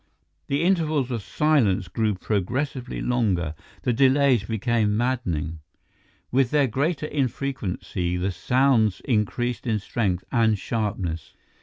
The intervals of silence grew progressively longer; the delays became maddening. With their greater infrequency the sounds increased in strength and sharpness.